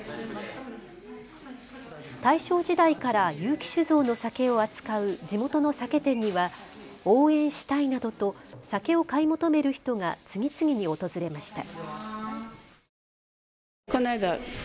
大正時代から結城酒造の酒を扱う地元の酒店には応援したいなどと酒を買い求める人が次々に訪れました。